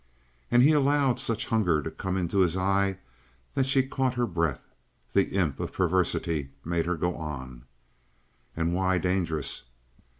And he allowed such hunger to come into his eye that she caught her breath. The imp of perversity made her go on. "And why dangerous?"